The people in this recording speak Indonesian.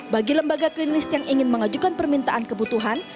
bagi lembaga klinis yang ingin mengajukan permintaan kebutuhan